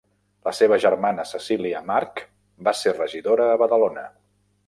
La seva germana Cecília March, va ser regidora a Badalona.